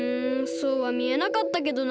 そうはみえなかったけどな。